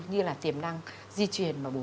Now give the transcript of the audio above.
như là tiềm năng di truyền